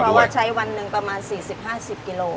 เพราะว่าใช้วันหนึ่งประมาณ๔๐๕๐กิโล